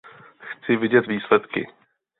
Chci vidět výsledky.